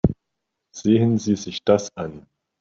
Sehen Sie sich das an.